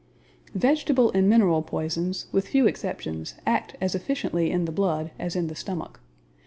Vegetable and mineral poisons, with few exceptions, act as efficiently in the blood as in the stomach.